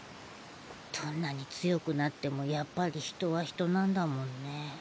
どんなに強くなってもやっぱり人は人なんだもんね。